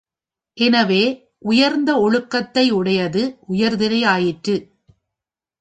எனவே, உயர்ந்த ஒழுக்கத்தை உடையது உயர்திணையாயிற்று.